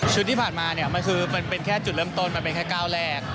ที่ผ่านมาเนี่ยมันคือมันเป็นแค่จุดเริ่มต้นมันเป็นแค่ก้าวแรก